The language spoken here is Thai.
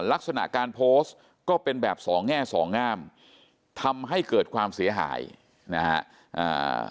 ลักษณะการโพสต์ก็เป็นแบบสองแง่สองงามทำให้เกิดความเสียหายนะฮะอ่า